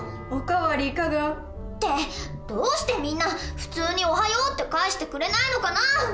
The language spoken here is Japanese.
お代わりいかが？ってどうしてみんな普通に「おはよう」って返してくれないのかなあ